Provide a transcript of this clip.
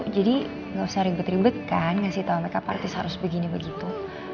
jadi gak usah ribet ribet kan ngasih tau makeup artis harus begini begitu